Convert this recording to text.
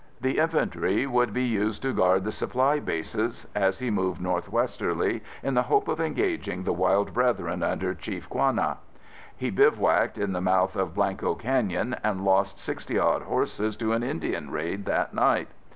The infantry would be used to guard the supply bases as he moved northwesterly in the hope of engaging the wild brethren under Chief Quanah. He bivouaced in the mouth of Blanco Canyon and lost sixty odd horses to an Indian raid that night.